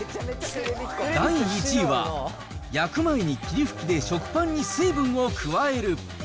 第１位は、焼く前に霧吹きで食パンに水分を加える。